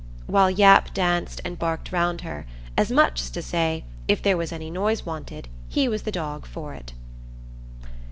while Yap danced and barked round her, as much as to say, if there was any noise wanted he was the dog for it.